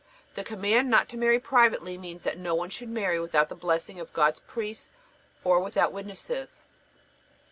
The command not to marry privately means that none should marry without the blessing of God's priests or without witnesses.